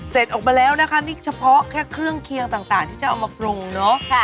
เสร็จออกมาแล้วนะคะนี่เฉพาะแค่เครื่องเคียงต่างที่จะเอามาปรุงเนอะ